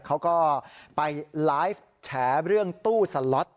เขาก็ไปไลฟ์แฉเรื่องตู้สล็อต